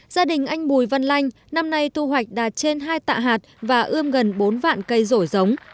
gia đình anh bùi văn lanh năm nay thu hoạch đạt trên hai tạ hạt và ươm gần bốn vạn cây rổi giống